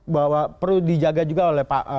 bahwa perlu dijaga juga oleh pak